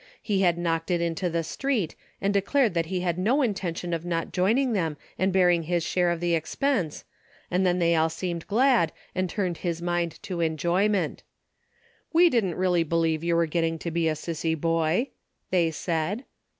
He had knocked it into the street, and declared he had no in tention of not joining them and bearing his share of the expense, and then they all seemed glad and turned his mind to enjoyment. " We didn't really believe you were getting to be a sissy boy," they said.